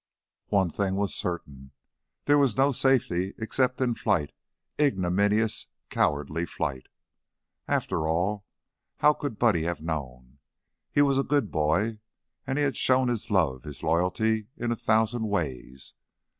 One thing was certain, there was no safety except in flight, ignominious, cowardly flight... After all, how could Buddy have known? He was a good boy, and he had shown his love, his loyalty, in a thousand ways.